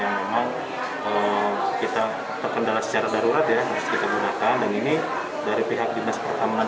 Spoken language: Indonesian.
yang memang kita terkendala secara darurat ya harus kita gunakan dan ini dari pihak dinas pertamanan